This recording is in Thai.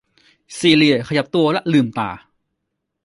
ซีเลียขยับตัวและลืมตา